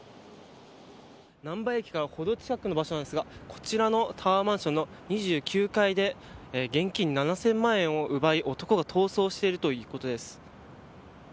難波駅からほど近い場所ですがこちらのタワーマンションの２９階で現金７０００万円を奪い、男が逃走しているということです。